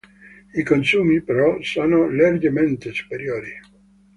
I consumi, però, sono leggermente superiori.